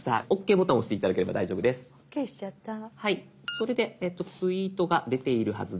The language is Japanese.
それでツイートが出ているはずです。